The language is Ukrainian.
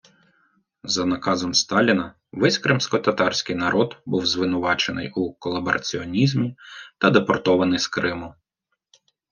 За наказом Сталіна весь кримськотатарський народ був звинувачений у колабораціонізмі та депортований з Криму.